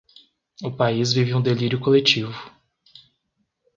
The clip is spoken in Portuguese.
O país vive um delírio coletivo